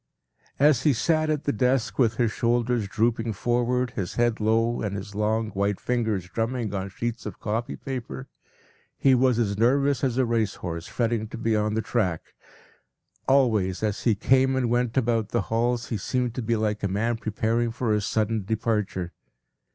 p> As he sat at the desk with his shoulders drooping forward, his head low, and his long, white fingers drumming on the sheets of copy paper, he was as nervous as a race horse fretting to be on the track. Always, as he came and went about the halls, he seemed like a man preparing for a sudden departure.